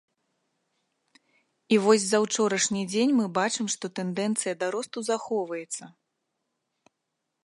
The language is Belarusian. І вось за ўчорашні дзень мы бачым, што тэндэнцыя да росту захоўваецца.